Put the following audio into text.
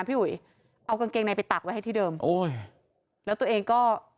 พี่อุ๋ยเอากางเกงในไปตักไว้ให้ที่เดิมโอ้ยแล้วตัวเองก็